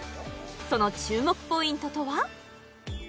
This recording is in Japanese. その注目ポイントとは？